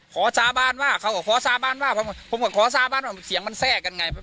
สาบานว่าเขาก็ขอสาบานว่าผมก็ขอสาบานว่าเสียงมันแทรกกันไง